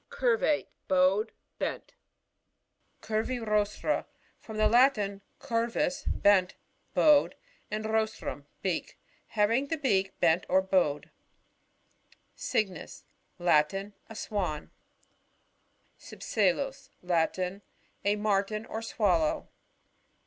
Curvatb. — Bowed, bent. 10* Curvirostra. — From the Latin, cut" vus, bcn(, bowed ; and rostrvm, beak. Having the beak l>ent or bowed. Cygnus. — Latin. A Swan. Cypselus. — Latin. A Martin or Swallow.